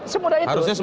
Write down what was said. semudah itu semudah itu